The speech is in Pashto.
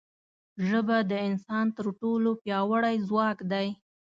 ژبه د انسان تر ټولو پیاوړی ځواک دی